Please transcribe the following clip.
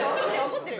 怒ってる！